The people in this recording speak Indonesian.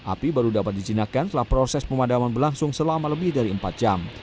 api baru dapat dijinakkan setelah proses pemadaman berlangsung selama lebih dari empat jam